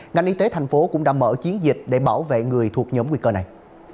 ngành y tế tp hcm cũng đã mở chiến dịch để bảo vệ người thuộc nhóm nguy cơ này